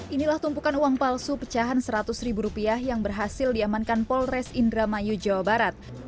inilah tumpukan uang palsu pecahan seratus ribu rupiah yang berhasil diamankan polres indramayu jawa barat